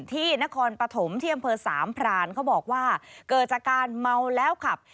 ที่นครปฐมที่อำเภอสามพรานเขาบอกว่าเกิดจากการเมาแล้วขับ